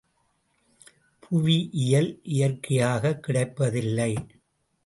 புவியில் இயற்கையாகக் கிடைப்பதில்லை.